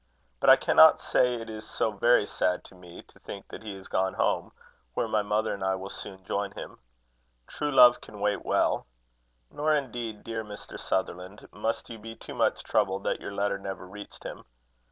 But I cannot say it is so very sad to me to think that he is gone home, where my mother and I will soon join him. True love can wait well. Nor indeed, dear Mr. Sutherland, must you be too much troubled that your letter never reached him.